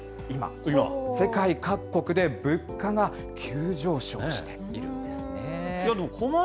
今、世界各国で物価が急上昇しているんですね。